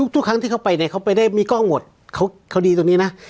ทุกครั้งที่เขาไปเนี่ยเขาไปได้มีกล้องหมดเขาดีตรงนี้นะ